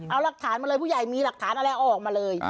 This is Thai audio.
เอาหลักฐานมาเลยผู้ใหญ่มีหลักฐานอะไรเอาออกมาเลย